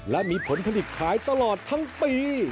และมีผลผลิตขายตลอดทั้งปี